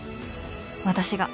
私が